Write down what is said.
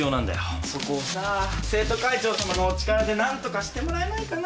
そこをさあ生徒会長さまのお力で何とかしてもらえないかな